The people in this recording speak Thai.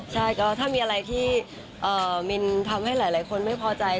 ใช่ก็ถ้ามีอะไรที่มินทำให้หลายคนไม่พอใจ